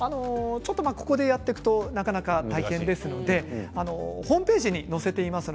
ここでやるとなかなか大変ですのでホームページに載せています。